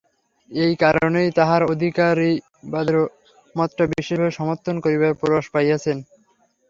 এই কারণেই তাঁহারা অধিকারিবাদের মতটা বিশেষভাবে সমর্থন করিবার প্রয়াস পাইয়াছেন।